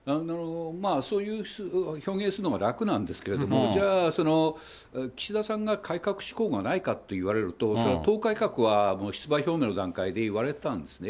そういう表現するのが楽なんですけれども、じゃあ、岸田さんが改革志向がないかといわれると、それは党改革は、出馬表明の段階で言われてたんですね。